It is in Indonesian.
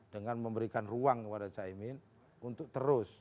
dengan memberikan ruang kepada cak imin untuk terus